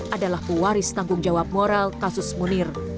adalah pewaris tanggung jawab moral kasus munir